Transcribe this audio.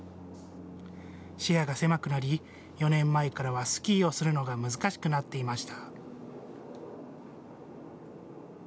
視野が狭くなり、４年前からはスキーをするのが難しくなっていました。